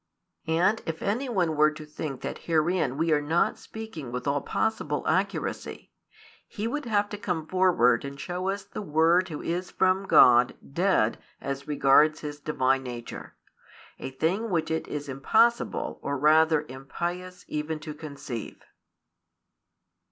And if any one were to think that herein we are not speaking with all possible accuracy, he would have to come forward and show us the Word Who is from God dead as regards His Divine nature, a thing which it is impossible or rather impious even to conceive.